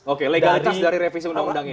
oke legalitas dari revisi undang undang ini